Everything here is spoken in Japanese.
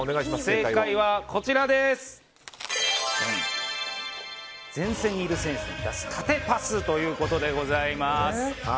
正解は前線にいる選手に出す縦パスということでございます。